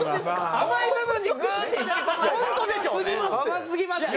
甘すぎますよ！